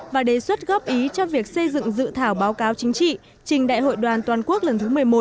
và đề xuất góp ý cho việc xây dựng dự thảo báo cáo chính trị trình đại hội đoàn toàn quốc lần thứ một mươi một